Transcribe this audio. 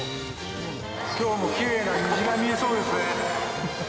きょうもきれいな虹が見えそ